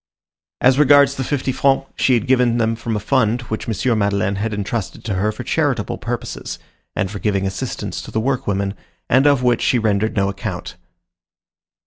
As regards the fifty francs, she had given them from a fund which M. Madeleine had intrusted to her for charitable purposes, and for giving assistance to the workwomen, and of which she rendered no account.